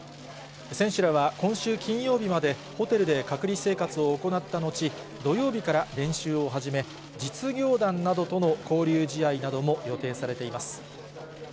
選手らは今週金曜日まで、ホテルで隔離生活を行った後、土曜日から練習を始め、実業団などとの交流試合なども予定されています。